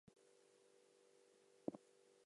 He was buried in Dorogomilovo Jewish cemetery.